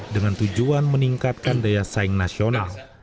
dengan tujuan meningkatkan daya saing nasional